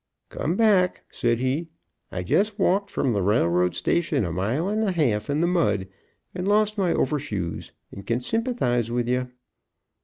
"Come back," said he; "I just walked from the railroad station a mile and a half in the mud, and lost my overshoes, and kin sympathize with ye."